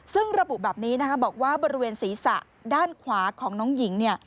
ซึ่งระบุแบบนี้นะคะบอกว่าบริเวณศีรษะด้านขวาของน้องหญิงเนี่ย